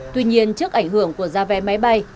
tuy nhiên trước ảnh hưởng của giá vé máy bay